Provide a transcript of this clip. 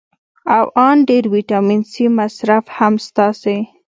او ان ډېر ویټامین سي مصرف هم ستاسې